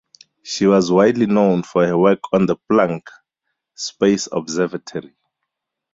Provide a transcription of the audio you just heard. She was widely known for her work on the "Planck" space observatory.